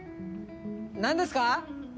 何ですか？